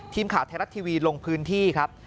ทีมข่าวไทยรัฐทีวีลงพื้นที่ครับ